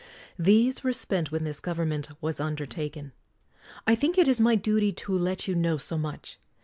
These were spent when this gov ernment was undertaken. I think it is my duty to let you know so much.